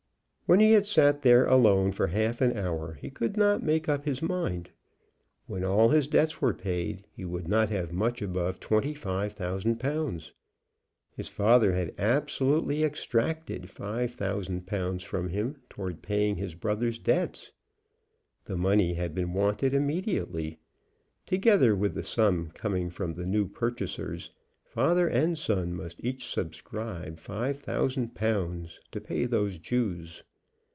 When he had sat there alone for half an hour he could not make up his mind. When all his debts were paid he would not have much above twenty five thousand pounds. His father had absolutely extracted five thousand pounds from him toward paying his brother's debts! The money had been wanted immediately. Together with the sum coming from the new purchasers, father and son must each subscribe five thousand pounds to pay those Jews.